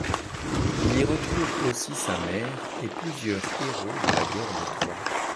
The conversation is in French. Il y retrouve aussi sa mère, et plusieurs héros de la guerre de Troie.